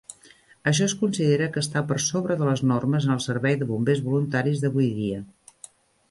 Això es considera que està per sobre de les normes en el servei de bombers voluntaris d'avui dia.